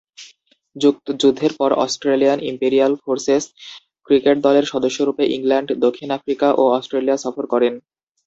যুদ্ধের পর Australian Imperial Forces cricket দলের সদস্যরূপে ইংল্যান্ড, দক্ষিণ আফ্রিকা ও অস্ট্রেলিয়া সফর করেন।